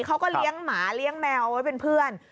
เขาก็เลี้ยงหมาเลี้ยงแมวไว้เป็นเพื่อน